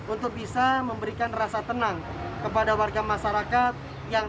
untuk bisa memberikan rasa tenang kepada warga masyarakat yang